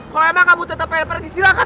kalau emang kamu tetap pengen pergi silakan